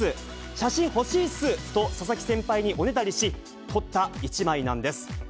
写真欲しいっす！と佐々木先輩におねだりし、撮った１枚なんです。